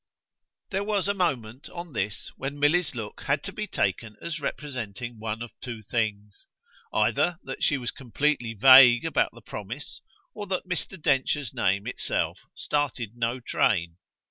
There was a moment, on this, when Milly's look had to be taken as representing one of two things either that she was completely vague about the promise or that Mr. Densher's name itself started no train.